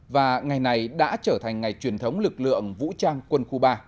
và ngày này đã trở thành ngày truyền thống lực lượng vũ trang quân khu ba